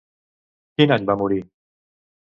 Quin any va morir?